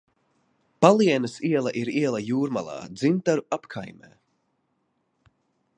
Palienes iela ir iela Jūrmalā, Dzintaru apkaimē.